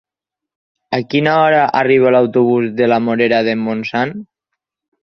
A quina hora arriba l'autobús de la Morera de Montsant?